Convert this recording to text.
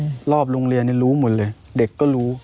รอบโรงเรียนนี่รู้หมดเลยเด็กก็รู้